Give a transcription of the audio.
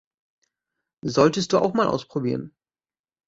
Solltest du auch mal ausprobieren.